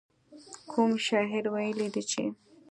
کوم شاعر ويلي دي چې.